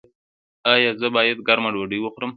ایا زه باید ګرمه ډوډۍ وخورم؟